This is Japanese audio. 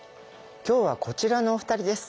今日はこちらのお二人です。